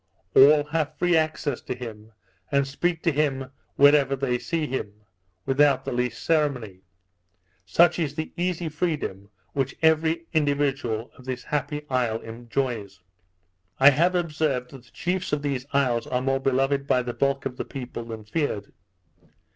All have free access to him, and speak to him wherever they see him, without the least ceremony; such is the easy freedom which every individual of this happy isle enjoys. I have observed that the chiefs of these isles are more beloved by the bulk of the people, than feared.